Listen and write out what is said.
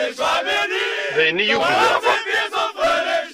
D ayen i ugdeɣ.